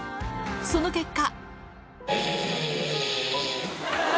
その結果。